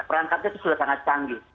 perangkatnya itu sudah sangat canggih